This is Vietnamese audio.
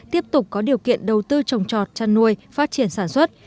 tiếp tục có điều kiện đầu tư trồng trọt chăn nuôi phát triển sản xuất